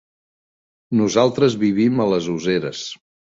Nosaltres vivim a les Useres.